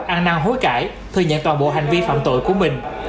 an năng hối cãi thừa nhận toàn bộ hành vi phạm tội của mình